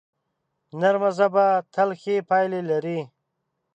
نرمه ژبه تل ښې پایلې لري